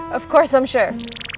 tentu gue yakin